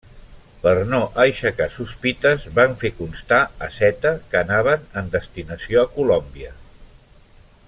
Per no aixecar sospites, van fer constar a Seta que anaven en destinació a Colòmbia.